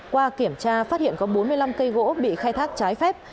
qua kiểm tra phát hiện có bốn mươi năm cây gỗ bị khai thác trái phép